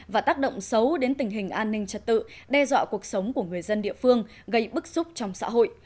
và tác động xấu đến tình hình an ninh trật tự đe dọa cuộc sống của người dân địa phương gây bức xúc trong xã hội